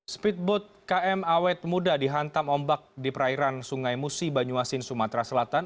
speedboat km awet muda dihantam ombak di perairan sungai musi banyuasin sumatera selatan